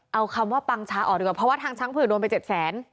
เอาคำว่าปังชาออกดีกว่าเพราะว่าทางช้างเผือกโดนไป๗แสน